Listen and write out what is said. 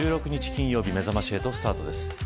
金曜日めざまし８スタートです。